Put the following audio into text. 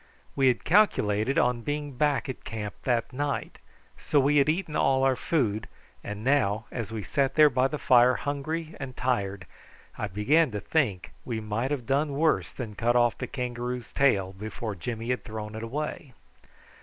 We had calculated upon being back at camp that night, so we had eaten all our food, and now, as we sat there by the fire hungry and tired, I began to think that we might have done worse than cut off the kangaroo's tail before Jimmy had thrown it away.